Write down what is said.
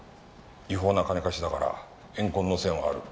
違法な金貸しだから怨恨の線はある。